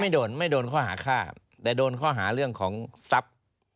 โดนไม่โดนข้อหาฆ่าแต่โดนข้อหาเรื่องของทรัพย์